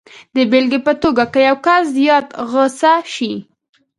د بېلګې په توګه که یو کس زیات غسه شي